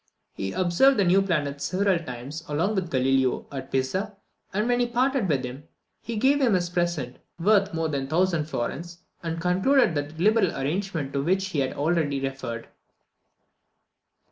He observed the new planets several times, along with Galileo, at Pisa; and when he parted with him, he gave him a present worth more than 1000 florins, and concluded that liberal arrangement to which we have already referred.